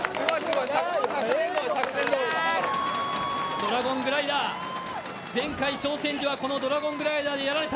ドラゴングライダー、前回挑戦時はこのドラゴングライダーでやられた。